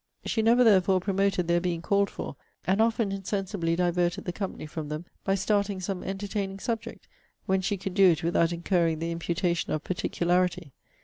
She never therefore promoted their being called for; and often insensibly diverted the company from them, by starting some entertaining subject, when she could do it without incurring the imputation of particularity.